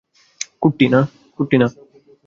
কুট্টি, না!